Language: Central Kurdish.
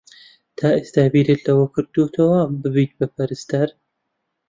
تا ئێستا بیرت لەوە کردووەتەوە ببیت بە پەرستار؟